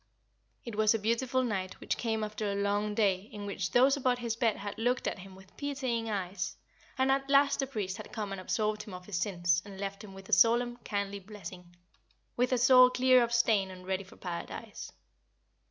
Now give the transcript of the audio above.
It was a beautiful night which came after a long day in which those about his bed had looked at him with pitying eyes, and at last a priest had come and absolved him of his sins, and left him with a solemn, kindly blessing, with a soul clear of stain and ready for paradise.